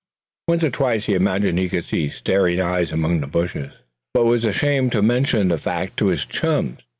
One or twice he imagined he could see staring eyes among the bushes, but was ashamed to mention the fact to his chums.